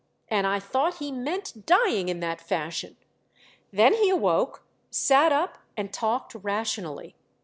and I thought he meant dying in that fashion. Then he awoke, sat up and talked rationally.